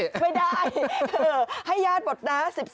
ไม่ได้ให้ญาติหมดนะ